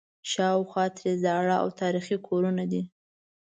شاوخوا ترې زاړه او تاریخي کورونه دي.